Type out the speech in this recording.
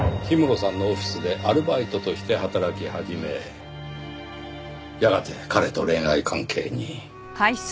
氷室さんのオフィスでアルバイトとして働き始めやがて彼と恋愛関係に。